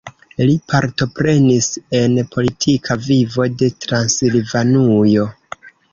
Li partoprenis en politika vivo de Transilvanujo.